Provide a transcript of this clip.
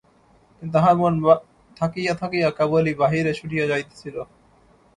কিন্তু তাহার মন থাকিয়া থাকিয়া কেবলই বাহিরে ছুটিয়া যাইতেছিল।